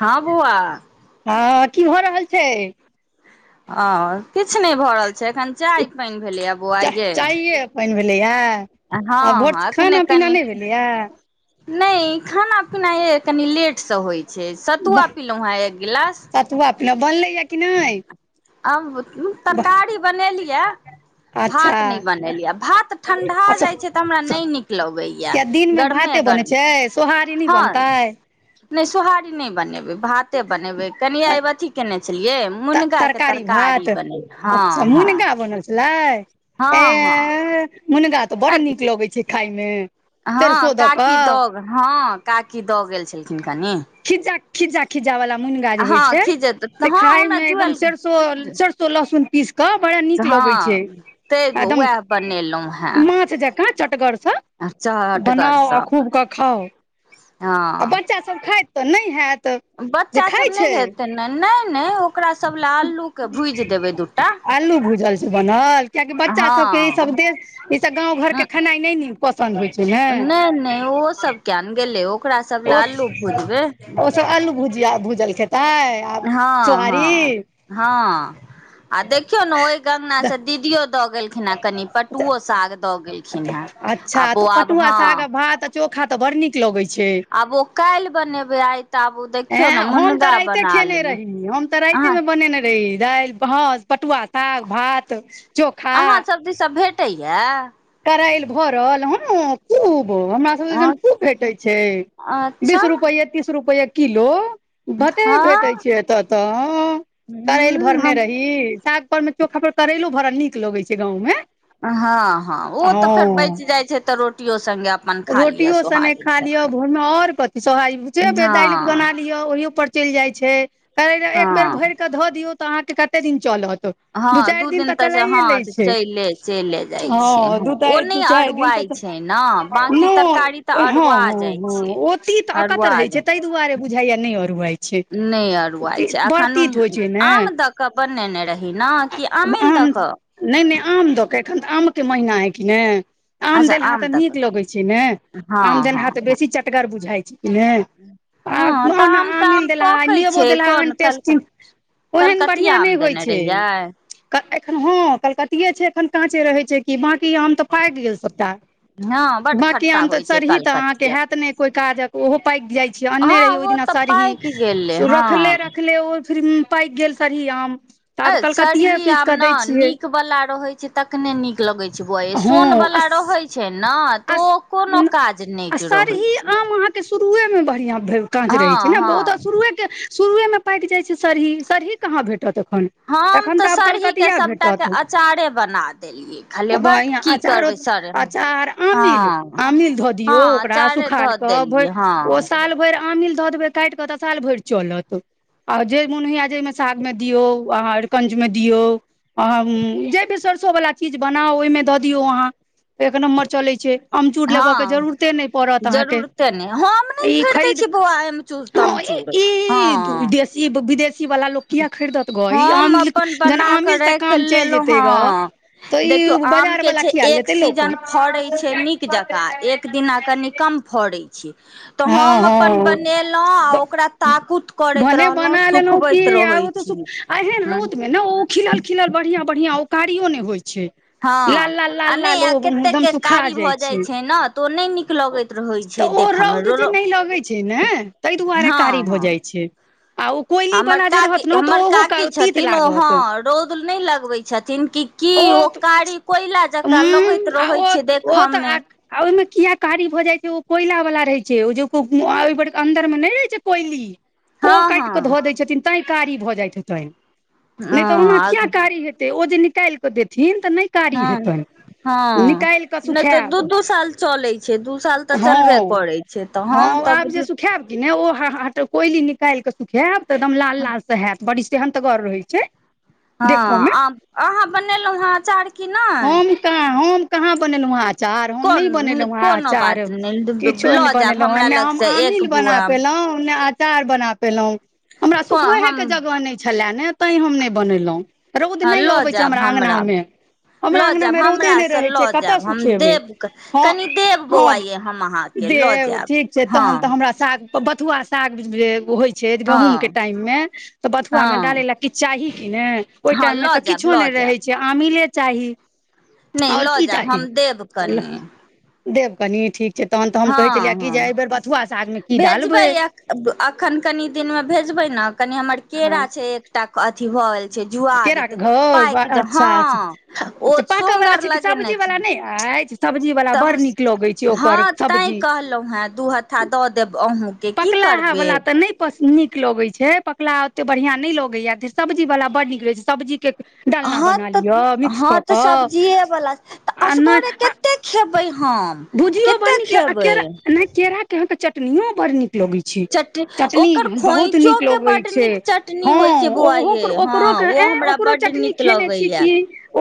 ह बौआ। हँ कि भऽ रहल छै। हैं किछु नहि भऽ रहल छै एखन चाय पानि भेलैए चा बौआइये। चाइए पानि भेलैया आ भोर हँ से एखने खाना पीना कनि नहि भेलैया नहि खाना पीना कनि लेटसँ होइत छै सतुआ पिलहुँ हे एक गिलास। सुतआ पिलो ये बनलैएा कि नहि ह वाह तरकारी बनेलियै। अच्छा भात नहि बनेलियै भात ठंडा अच्छा जाय छै तऽ हमरा नहि नीक लगैय किया दिनमे गर्मे भाते बनै गर्म छै सोहारी नहि ह बनतै नहि सोहारी नहि बनेबै भाते बनेबै कनि आई अथी कयने छलियै मुनगा के। तरकारी तरकारी भात बनेबै हँ अच्छा हँ मुनगा बनल छलै हँ हँ ए मुनगा तऽ बड़ नीक लगै छै खायमे ह सरिसो दऽ काकी कऽ दऽ काकी दऽ गेल छलखिन कनि। खिजजा खिज्जा खिज्जा वाला मुनगा हँ होई छै खिचत तऽ हँ खाय हमरा मे एकदम जुएल सरसो सरसो लहसुन पीस के बड़ा नीक लगे हँ छै तै एकदम उएह बनेलहुँ हेँ माछ जका चटगर से बनाऊ आ चहटगरसँ खूब के खाउ आ हँ बच्चा सब खाइत तऽ नय हैत जे बच्चा खाय सब नइ छै खेते ने नय नय ओकरा सब लए अलू के भूजि देबै दूटा अलू भूजल छै बनल किए की बच्चा सभके हँ ईसभ देश ईसभ गाँव घरके खेनाइ नय न पसन्द होइ छै ने नहि नहि ओ सब कयान गेले ओकरा सब आलू भुजबे ओसभ आलू भुजिया भूजल खेतै आ हँ सोहारी हँ हँ आ देखियौ ने ओह अंगना से दीदियो दऽ गेलखिन खिन कनि पटुओ साग दऽ गेलखिन हेँ आ अच्छा तऽ बौ आब पटुआ हँ साग आ भात आ चोखा तऽ बड़ नीक लगै छै आब ओ काल्ह बनेबे आइ तऽ आब ओ देखियौ एँ ने हम मुनगा बना ले तऽ राइते मे बनेने रही दाइल भस पटुआ साग भात च अहाँ सब दीसा भेटैया करइल भऽ रहल हअ कूब हमरा सबके जसन खूब भेटै छै अच्छा बीस रुपआ तीस रुपए किलो भते भेटै हँ छै एतऽ तऽ करैल भरने ह रही साग उ मे चोखा पर करैेलो भड़ा नीक लगे छै गाउँ मे आ हँ हँ ओ तऽ फेर बइच जाइ छै तऽ रोटियो संगे अपन खा लिअ रोटियो सने सोहारी खा से लिअ भोरमे [unintelligible] बना ओहियो पर चेल जाय छै करे एक बेर हँ भइर के धऽ दियौ तऽ अहाँ के कते दिन चलत हँ चारि दू दिन तऽ छै चलाइए हँ लै छै चले चले जाइ छियै हँ दू ओ चारि नइ दू चारि दिन अरआइ तऽ छै ने बंकी तरकारी तऽ नहि हँ अरआ हँ जाइ हँ छै ओ तीत अकत अरुआ रहे छै ताहि दुआरे बुझाई या नय रुाई छै नय अरुआइ छै बड़ एखन तीत होइ छै ने आम द क बनेने रही ने कि आमेल द क नय नय आम दऽ कऽ एखन तऽ आमके महीना हइ कि नय आम अच्छा देलहा तऽ दऽ नीक कऽ लगै छै ने हँ आम हँ देलहा तऽ हँ बेसी चटगर बुझााय छै कि नै आ हँ तऽ बन आम तऽ आम आमिलदेलह पकै नबहो छै देेल कोन कल टेस्टीन ओहन कलकतिया बढ़िआँ नइ आम होइ देने छै रहियै एखन हँ कलकतिये छै एखन काँचे रहे छै कि बंकी आम तऽ पाएक गेल सबटा हँ बड बाँकी खट्टा आम अहाँ होइ के छै सरही त कलकतिया हेत नय कोनो काजक ओहो पाकि जाइ छै हँ अन्ने रहि ओहि ओ दिना तऽ सरही पाकि गेलै रखले हँ रखले ओ फिर पाइक गेल सरही आम तऽ आब कलकतिए पीस कऽ दै छियै रहै छै तखने नीक लगै छै ब सोन हँ वला अस रहै छै ने तऽ अस कोनो काज नइ रहइ छै शुरुए मे बढ़िया काँच रहे छै हँ ने बहुत हँ शुरुए शुरुए मे पाइक जाइ छै सरही सरही कहाँ भेटत एखन हम एखन तऽ आब सरही के कलकतिया सबटा के भेटत अचारे बना देलियै खले बट की चारो करबै सर अचार आमिल हँ आमिल धऽ हँ दियौ ओकरा अचारे सुखल धऽ क देलियै हँ साल भैर आमिल धऽ देबै काटि कऽ तऽ साल भैर चलत आ जे मोन होइया जेइमे साग मे दियौ आ अरकंजमे दियौ अहाँ जाहि बेर सरिसोवला चीज बनाउ ओहिमे दऽ दियौ अहाँ एक नम्बर चलैत छै अमचूर लेबयके हँ जरूरते नहि पड़त अहाँके जरूरते ने हम नय ई खरीदेै खरीद छी बौआ ऐमचू तमचूड़ हँ तु देशी विदेशी सी वाला लोक किया खरीदत ग ई हम आमिल अपन जहन बना कऽ आमिल से राखि काम चैन लेलहुँ जेते ग हँ तऽ देखियौ ई आम बाजार के वला छै किया एक लेते लोक सीजन फड़ै [unintelligible] छै नीक जकाँ एक दिना कनि कम फड़े छै तऽ हँ हम अपन हँ बनेलौ आ ओकरा ताकूत करैत रहलौ सुखबैत ऐ रहै ओ तऽ छी एहन ह रौदमे ने ओ खिलल खिलल बढ़ियां बढ़ियां ओ कारियो नै होइ छै लाल लाल हँ लाल नै लाल आ ओ कतेक एकदम केँ सुखा कारी जाइ भऽ जाइत छै ने तऽ ओ नै नीक लगैत रहै तऽ छै ओ देख हमर रौद जे नै लगै छै ने तैय दुआरे हँ कारी भऽ हँ जाइ छै आ ओ कोयली हमर वाला जे काकी रहत ने तऽ हमर ओहो काकी तीत छथिन ओ लागत हँ रौद नै लगबै छथिन कि की ओ कारी कोयला जकाँ उं लगैत आ रहे ओ छै देख ओ तऽ मे आ ओइम किया कारी भऽ जाय छै ओ कोयला वला रहे छै छै [unintelligible] अन्दर मे नै रहे छै कोइली हँ ओ काट हँ केे ध दय छथिन तैय कारी भऽ जाइत हेतै न तऽ ओना हँ किया कारी हेतै ते ओ जे निकाल कऽ देथिन तऽ नै कारी हँ हेतैन हँ नै तऽ दू दू साल चले छै दू साल तऽ चलबे हँ करे छै तऽ हँ हम तऽ आब जे बुझियौ सुखाब कि नै ओ ह कोइली निकाल कऽ सुखायब तऽ एकदम लाल लाल से होयत बड़ी सेहंतगर रहै छै हँ देखऽ मे आम अहाँ बनेलौ हँ अचार कि नै हम कहाँ हम कहाँ बनेलौ ह अचार हम कोन नै बनेलौ ह कोनो अचार बात नहि किछो नै लऽ जायब बनेलौ हमरा हन हम लगसँ एक आमिल बना बुआम पेलौ ना अचार बना पेलो हमरा सुखबहै हम कऽ जगह नै छले ने तें हम नै बनैलों रौद नै अबैत हमरा अंगना में लऽ जायब हमरा स लऽ कतय जायब हम सुखेबै देब हँ कनि देब हँ बौआये हम अहाँ केँ लऽ जैब देब ठीक छै तहन तऽ हमरा साग बथुआ साग जे होइ छै गहूँम केँ हँ टाइम में तऽ बथुआ में डाले हँ ला किछ चाही की ने ओइ हँ टाइम में लऽ तऽ जायब किछो लऽ नै रहै जायब छै केँ अमिले चाही नहि [inaudible] और लऽ की जायब चाही हम देब कनि [unintelligible] देब कनी ठीक छै तहन तऽ हम कहै छलियै हँ कि हँ जे एहि बेर बथुआ सागमे की भेजबै डालबै [unintelligible] अखन कनि दिन में भेजबै न कनि हमर केरा छै एकटा अथी भऽ छै जुआ केरा केँ जेतै घोड़ पाकि जे अच्छा हँ ओ अच्छा [inaudible] पाकय वला सोंगर छै कि लगेने सब्जी छै वला नै ऐछ सब्जी वला बड़ नीक लगे छै ओकर सबजी नै कहलु है दू हता दऽ देब अहुँ पकलाहा वला तऽ नै नीक लगे छै पकला ओते बढ़िया न नै लगेया सब्जी वाल बड नीक लगे छै सब्जी के डालना हँ बना तऽ लिअ मिक्स हँ कऽ तऽ कऽ सब्जिए वला तऽ आ नहि असगोरे आ कतेक खेबै हम भुजियो बड़ कते नीक लग आ खेबै केरा नै केरा केँ अहाँ केँ चटनियो बड़ नीक लगै छै चटनी ओकर बहुत खोइचो नीक के लगै बड छै नीक चटनी हँ होइ छै बौआ ओहो ये हँ ओकरो ओ केँ हमरा ओकरो बड चटनी नीक खेने छी लगैया की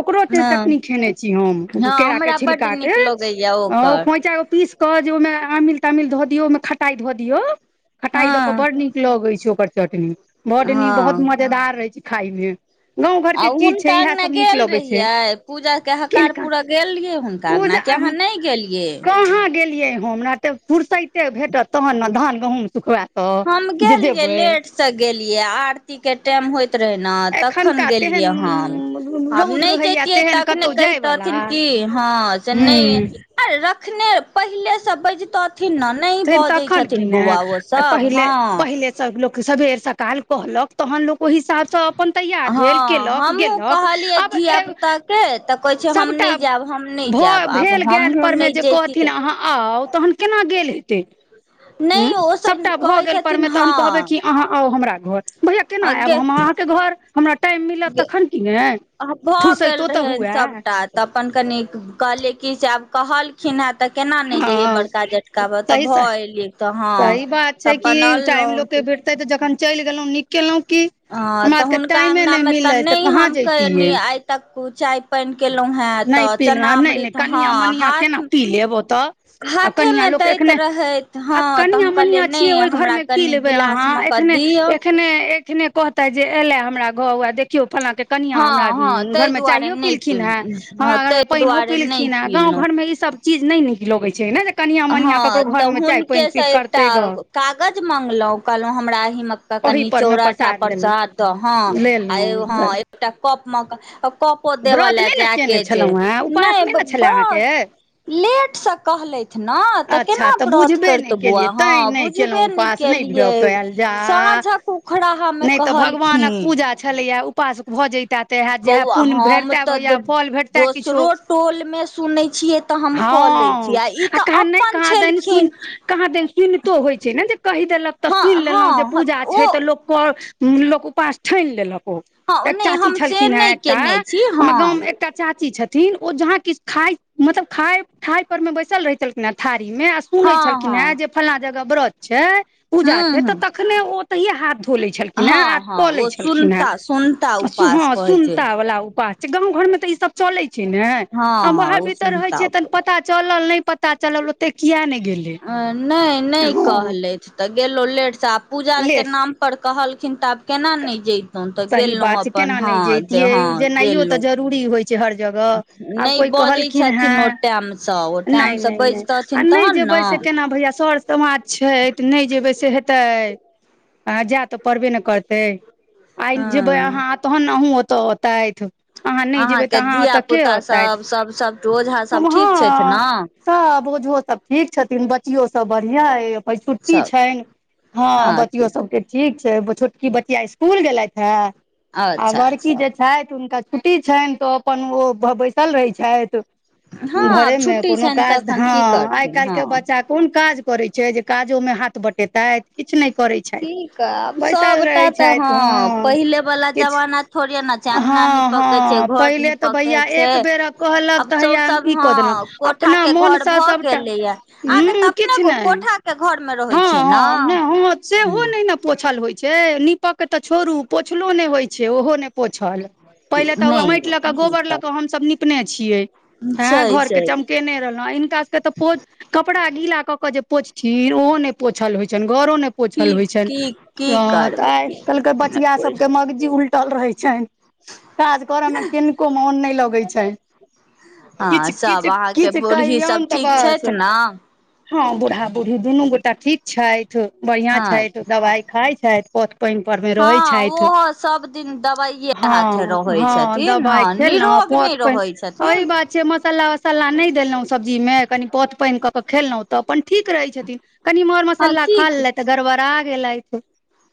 ओकरो हँ चटनी खेने छी छी हम हँ केरा केँ हमरा बड्ड छिल्का नीक केँ लगैया [inaudible] हँ ओ ओकर खोइचा कऽ पीस कऽ जे ओहिमे आमिल तामिल धऽ दियऔ ओहिमे खटाई धऽ दियऔ खटाई द के हँ बड नीक लगै छै ओकर चटनी बड नीक बहुत हँ मजेदार रहै छै खाय में आ हुनका अंगना गेल लगै छै रहिये पूजा केँ हकार किनका पुर गेल रहिये हुनका अंगना पूजा जा अहाँ हम नहि गेलियै कहाँ गेलियै हमरा तऽ फुरसते भेटत तहन ने धान गहूँम सुखबायत हम गेलियै लेट सँ गेलियै आरती के टाइम होइत रहै ने तखन एखनका तेहन गेलियै हन आब रौद नहि रहैया जतियै तेहन तखने कतहु जायवला कहितथिन क हँ से नहि य आर रखने पहिले से बजतथिन न नहि बजै तखन छथिन कि ने बौआ ओ आ सभ पहिले हा पहिले सब लोक सबेर सकाल कहलक तहन लोक ओहि हिसाब सँ अप्पन तैयार हँ भेल केलक हमहूँ गेलक कहलियै आब धिया पुताके तऽ कहै छै हम नहि जायब हम नहि जायब आब हमहूँ नहि जैती कहन तऽ अहाँ आउ तऽ केना गेल हेतै हँ नहि ओसभ सभटा भऽ कहै गेल पर छथिन में तखन कहबै कि हँ अहाँ आउ हमरा घोर भैया केना आब हम गे अहाँ के घोर हमरा टाइम मिलत तखन की ने फुरसतो तऽ हुए ता अप्पन कनिक कहलियै कि जे आब कहल केना तऽ केना नहि जइयै हँ बड़का जेठका ब तऽ सही स भऽ एलियै तऽ हा सही बात छै। कि टाइम लोक के भेटतै तऽ जखन चलि गेलहुँ नीक केलहुँ की हा हमरा तऽ सबके हुनका टाइमे अंगना नहि में तऽ मिललै नहि कहाँ हम तऽ एनि जैतियै आइ तक चाय पानि केलहुँ हेँ नहि तऽ पी नहि चना नहि अमृत कनिया हँ मनिया केना हाथ पी लेब ओतऽ आ कनिया हाथेमे लोक दैत एखने रहैत आ हँ तऽ कनिया हम कहलियै मनिया छियै नहि ओहि घोर हमरा में की ले कनि गिलासमे कऽ हखने दिअ कहते जे एले हमरा घोर में केओ फल्लाँ के कनिआँ हँ हमरा हँ घोर ताहि में दुआरे चायओ नहि पी पीलखिन हेँ हँ हमरा घोर में ताहि पानिो दुआरे नहि पिलखिन हे गाँव पीलहुँ घोर में इ सभ चीज न नीक लगे छै। कनिया मनिया हँ ककरो तऽ घोर में चाय पानि हुनके से पीब एकटा करतै ग कागज मंगलहुँ कहलहुँ हमरा अहिमें ओहि कनि परमे चौराठा प्रसाद पर सऽ लेलहुँ हाथ दऽ हँ लेलहुँ एगो हँ एकटा कप मे कप कपो देबऽ व्रत ले नहि ने जाय केने के छै। छलहुँ हेँ उपास नहि ने छलए कहाँ अहाँके लेट सँ कहलैत न तऽ अच्छा केना व्रत बुझबे नहि करितौ बौआ केलियै हाँ तैँ नहि बुझबे केलहुँ नहि उपास भऽ केलियै पायल जा सााँझक उखड़हा में कहलखिन आ छलैये उपास भऽ जइत तऽ तऽ एहे जेहे बौआ पुण हम भेटते तऽ भैया फल भेटते किछो दोसरो टोल मे सुनै छियै तऽ हम हा कऽ लै छी ई आ तऽ कहाँ नहि अपन कहाँ दनि सुनी छलखिन कहाँ दनि सुनितो होय छैय। ने जे कहि देलक तऽ सुनि हँ लेलहुँ जे हँ हँ ता ओ छै। तऽ लोक क लोक उपास ठानि लेलक ओ हँ एक नहि चाची हम से छलखिन हे नहि एकटा केने छी हँ हमर गाँवम में एकटा चाची छथिन्ह ओ जहाँ किछ खाय मतलब खााय खााय पर में बैसल रहै छलखिन हें थारी में सुनै हँ छलखिन हें हँ जे फल्लां जगह व्रत छैय पूजा हूँ छैय। हूँ तऽ तखने ओ ओतहिये हाथ धो लै छलखिन हें आ हँ हँ कऽ लै ओ छलखिन हे सुनता सुनता जो उपास हँ कहै छै सुनता वला उपास छै। गाँव घोर में तऽ ई सभ चले छैय। ने हँ आ हँ बाहर ओ भीतर रहे सुनता छियै त उपास पता चलल नहि पता चलल ओते किया ने गेल अ नहि नहि कहलथि तऽ गेलहु लेट स आ पूजा आर ले केँ नाम पर कहलखिन तऽ आब केना नहि जैतउ तऽ सही बात छै अप्पन हा दे हँ गेलहुँ दूरी होय छै। हर जगह आब नहि कोय बजै कहलखिन हा छथिन ओ टाइमसँ ओ नहि टाइमसँ नहि बाजि नहि आ तथिन नहि तहन जेबै ने से केना भैया सभ समाज छैय। तऽ नहि जेबै से हेतै आ जाय तऽ पड़बे ने करतै आइ जेबै हँ अहाँ तहन न ओ अहूँ ओतऽ एतैथ। अहाँ नहि जेबै तऽ अहाँके अहाँ धिया ओतऽ के पुता औतैथ सब सब सबटा ओझा हम सब हा ठीक छथि न हाँ बुझू त ठीक छथिन्ह बच्चियो सब बढ़िया ये आइ छुट्टी सब छैन्ह हँ बच्चियो सबके ठीक छै बच इ बचिया इसकुल गेलथ हें आ अच्छा बड़की अच्छा जे छथि हुनका छुट्टी छैन तऽ अपन ओ प बैसल रहै छथि हँ घरे मे छुट्टी कोनो छनि काज तखन धँ की आइ करथिन काल्हि के हँ बच्चाक कोन काज करै छैय जे काजो मे हाथ बँटेतय किछु नहि करै छैथ काब सबटा तऽ हँ पहिले वला किछु जवाना थोड़े ने छै अंगना हँ नीपऽ कऽ छैय हँ घर पहिले तऽ नीपऽ कऽ भैया एक छैय बेर कहलक आब तऽ चौ हैया सब ई कऽ देलहुँ हँ को ठा अपना के घर मोनसँ भऽ सभटा गेलैए अहाँके तऽ हूँ अपने किछु नहि कोठाक घर मे रहै हँ छियै न हँ नहि हँ हूँ सेहो नहि ने पोछल होय छैय नीपे के तऽ छोड़ू पोछलो नहि होय छैय ओहो ने पोछल पहिले तऽ नहि माटि नहि लऽ के की गोबर लऽ के हम सब नीप ने छियै करब छै हें घर के छै चमकेने रहलहुँ हिनका सबके तऽ ओ कपड़ा गीला कऽ के जे पोछथिन्ह ओहो नहि पोछल होय छन्हि घर न की पोछल होय की छन्हि की हाँ आइ करबै कल्हि के बचिया नहि सब के मगजी उलटल रहै छन्हि काज करऽ मे किनको मोन नहि लगय छै किछ हँ किछ सब अहाँके किछ बूढ़ी कहियौ सब नै तऽ ठीक बस छथि ने हँ बूढ़ा बूढ़ी दुनू गोटा ठीक छैथ बढ़िया हँ छैथ दवाई खाय छथि पथ पानि पर मे रहै हँ छथि ओहो सब दिन दबाइये हाथे हँ रहै हँ छथिन हँ दबाइ खेयलो अ निरोग पथ नहि पानि रहै अहि छथिन बात छैय मसाला मसाला नहि देलहुँं सब्जी मे कनि पौथ पानि कऽ क खेलहुँ तऽ अपन ठीक रहैत छथिन कनि म हँ मसाला की खा लेलथ तऽ गड़बड़ा गेलैथ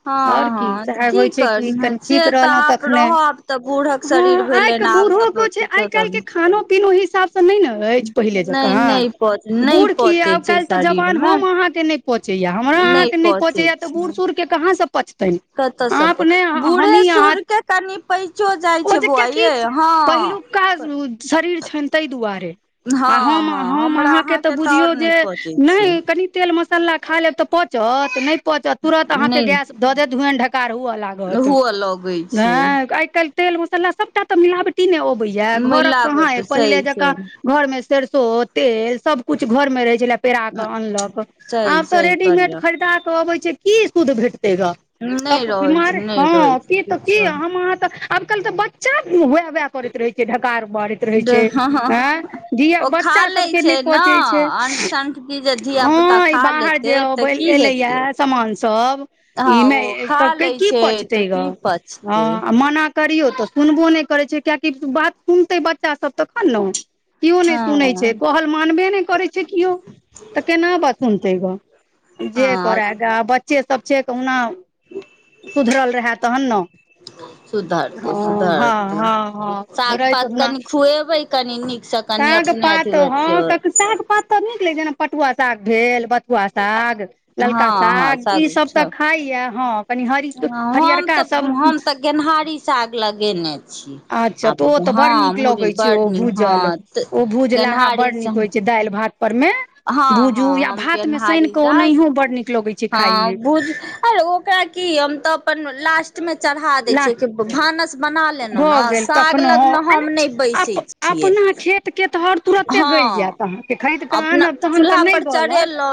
हँ आओर की हँ तऽ सेहे की होय छैय कर कि कनी ठीक से तऽ रहब आब ने रहब तऽ बूढ़क शरीर हाँ आ भेलनि आब बूढ़ तऽ आइाल्हि के खानो पी हिसाब नहि ने अछि पहिले नहि जकाँ नहि पच नहि बूढ़ की पचै आब छै काल्हि त शरीर जवान मे हम अहाँके पोचैया हमरा अहाँके नहि पचै पोचैया तऽ बूढ़ छै सूर के कहाँ से पचतै कतऽ सब पर बूढ़े सूढ़ के कनि पैचो जाइ ओ छै जे बौआ कियाकि हँ [unintelligible] शरीर छनि ताहि दुआरे हँ हम हँ हमरा अहाँके तऽ आओर बुझियौ नहि जे पचै छै नहि कनि नहि प [unintelligible] हुअ लगै छै हँ आइ काइल तेल मसाला सब एकटा तऽ मिलावटी ने अबै या घरक कहाँ य मिलावट पहिले सही जकाँ छै घर मे सरसो तेल सब कुछ घर मे रहै छलए पेरा के अनलक सही आब तऽ सही रेडीमेड कहलियौ खरीदा के अबै छै की शुद्ध भेटतेगा नहि तब रहै बीमार छै नहि रहै हाँ छै की किछो हम अहाँ त आब कल तऽ बच्चा हु करैत रहे छै ढकार मारैत रहे छै हँ हँ हिया ओ खा बच्चा लै सब के छै नै ने पचे छै अंट संट कि जे धिया पुता हँ ई खा बाहर लेतै जे तऽ की हेतै एलैए सामान सभ इ हँ मे ओ खा सबके लै की छै तऽ पचते गे की पचतै ह मना करियौ तऽ सुनबो नहि करैत छै कियकि बात सुनतै बच्चास सब तखन ने केओ नहि सुनै हँ छै कहल मानबे नहि करैत छै केओ तऽ केना बा सुनतै जे हँ करय गे बच्चे सब छै कहुना सुधरल रहए तहन ने सुधरतै हँ हँ सुधरतै हँ हँ सुधरैत शागपात ओहुना कनि खुएबै कनि नख तक साग पात हँ साग पात तऽ नीक लग छै जेना पटुआ साग भेल बथुआ साग ललका साग ई सब तऽ खाइ य हँ कनी हरी हम हरियरका तऽ सब हम तऽ गेनहारी साग लगेने छी अच्छा तऽ ओ तऽ बड़ नीक लगै छै ओ भूजल ओ [unintelligible] भूजलाहा गेनहारी बड़ नीक होइ छै दालि भात पर मे हँ भूजू हँ या हम भात मे सानि गेनहारी कऽ सा ओनाहियो बड़ नीक लगै छै [inaudible] खाय हँ मे भुज ह ओकरा की हम तऽ अपन लास्ट में चढ़ा देय लाह छै कि भानस बना लेलै भऽ न गेल साग तखनो लग में हम नै अप बैसे छी छियै अपना खेत के तऽ हर [inaudible] तुरते गलि हऽ जायत अहाँके खरीद कऽ अपना आनब तहन चूल्हा तऽ नहि पर गलत चरहलों